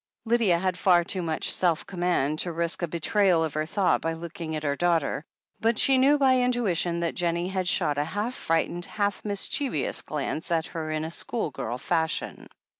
Lydia had far too much self command to risk a betrayal of her thought by looking at her daughter, but she knew by intuition that Jennie had shot a half frightened, half mischievous glance at her in schoolgirl fashion.